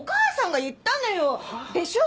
でしょ？